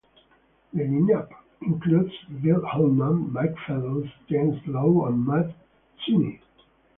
The lineup includes Will Oldham, Mike Fellows, James Lo, and Matt Sweeney.